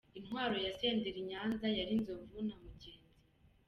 Intwaro ya Senderi i Nyanza yari Nzovu na mugenzi.